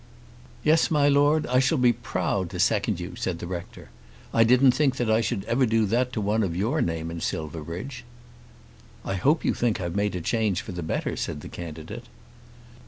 "Yes, my Lord, I shall be proud to second you," said the rector. "I didn't think that I should ever do that to one of your name in Silverbridge." "I hope you think I've made a change for the better," said the candidate.